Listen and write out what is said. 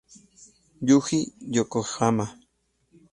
Yuji Yokoyama